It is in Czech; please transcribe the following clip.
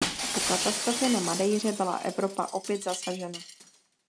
Po katastrofě na Madeiře byla Evropa opět zasažena.